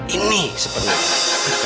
ini kesalahan anak ini sebenarnya